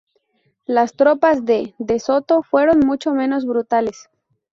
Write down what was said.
Las tropas de De Soto fueron mucho menos brutales.